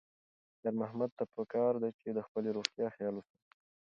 خیر محمد ته پکار ده چې د خپلې روغتیا خیال وساتي.